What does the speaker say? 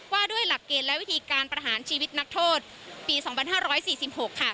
ว่าด้วยหลักเกณฑ์และวิธีการประหารชีวิตนักโทษปีสองพันห้าร้อยสี่สิบหกค่ะ